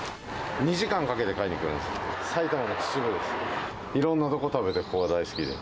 ２時間かけて買いに来るんです。